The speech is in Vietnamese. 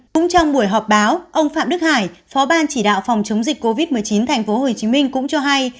cũng trong buổi họp báo ông phạm đức hải phó ban chỉ đạo phòng chống dịch covid một mươi chín thành phố hồ chí minh cũng cho hay